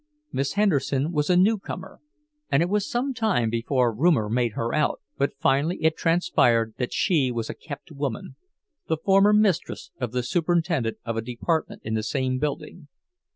Miss Henderson was a newcomer, and it was some time before rumor made her out; but finally it transpired that she was a kept woman, the former mistress of the superintendent of a department in the same building.